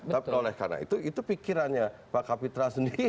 tapi oleh karena itu itu pikirannya pak kapitra sendiri